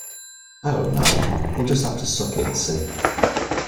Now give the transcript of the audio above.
I don't know; we'll just have to suck it and see